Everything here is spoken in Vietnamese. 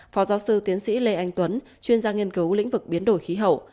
phó giáo sư tiến sĩ lê anh tuấn chuyên gia nghiên cứu lĩnh vực biến đổi khí hậu